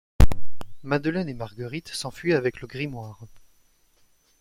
Madeleine et Marguerite s'enfuient avec le grimoire.